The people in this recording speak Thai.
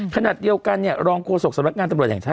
คณะเดียวกันลองโกศกสมัครงานตำรวจแห่งชาติ